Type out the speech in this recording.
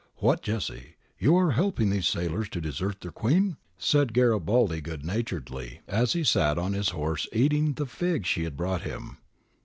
' What, Jessie ! you are helping these sailors to desert their Queen ?' said Garibaldi, good naturedly, as he sat on his horse eating the figs she had brought him.